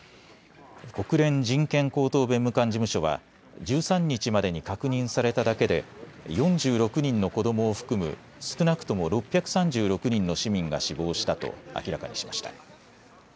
国連人権高等弁務官事務所は１３日までに確認されただけで４６人の子どもを含む少なくとも６３６人の市民が死亡したと明らかにしました。